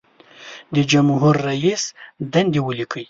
د جمهور رئیس دندې ولیکئ.